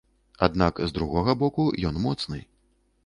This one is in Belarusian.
Аднак, з другога боку, ён моцны.